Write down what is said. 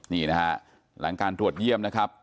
นี่นะฮะหลังการตรวจเยี่ยมนะครับ